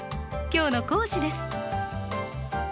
今日の講師です。